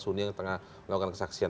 suni yang tengah melakukan kesaksian